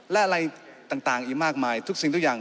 และอะไรต่างอีกมากมายทุกสิ่งทุกอย่าง